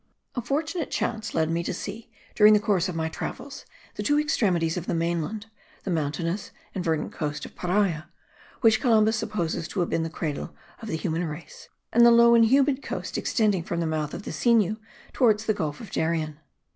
A fortunate chance led me to see, during the course of my travels, the two extremities of the main land, the mountainous and verdant coast of Paria, which Columbus supposes to have been the cradle of the human race, and the low and humid coast extending from the mouth of the Sinu towards the Gulf of Darien.